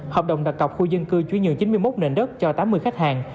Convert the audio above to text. hợp đồng đạt cọc khu dân cư chuyển nhượng chín mươi một nền đất cho tám mươi khách hàng